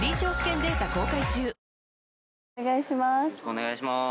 お願いします。